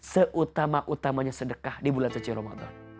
seutama utamanya sedekah di bulan suci ramadan